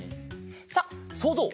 さあそうぞう！